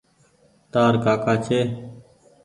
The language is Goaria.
تآر ڪآڪآ ڇي۔